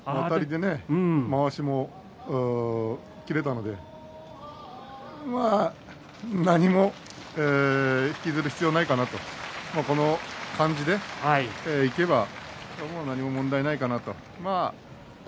まわしも切れたので何も引きずることはないかなとこの感じでいけば何も問題ないかなと。